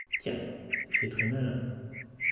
Tiens ! c’est très malin.